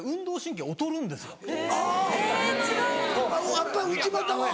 やっぱり内股は？